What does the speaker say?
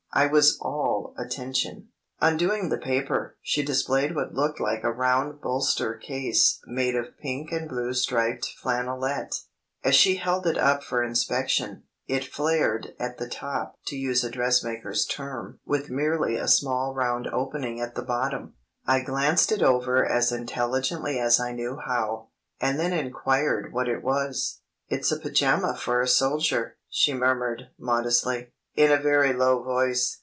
I was all attention. Undoing the paper, she displayed what looked like a round bolster case made of pink and blue striped flannelette. As she held it up for inspection, it "flared" at the top (to use a dressmaker's term) with merely a small round opening at the bottom. I glanced it over as intelligently as I knew how, and then inquired what it was. "It's a pyjama for a soldier," she murmured modestly, in a very low voice.